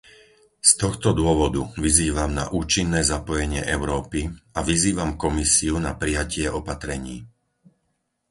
Z tohto dôvodu vyzývam na účinné zapojenie Európy a vyzývam Komisiu na prijatie opatrení.